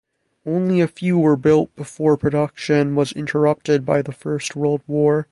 Only a few were built before production was interrupted by the First World War.